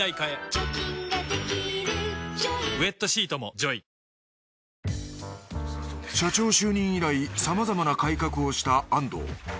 ＪＴ社長就任以来さまざまな改革をした安藤。